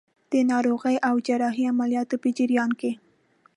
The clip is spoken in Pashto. د ناروغۍ او جراحي عملیاتو په جریان کې.